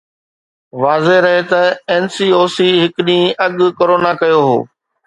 واضح رهي ته اين سي او سي هڪ ڏينهن اڳ ڪورونا ڪيو هو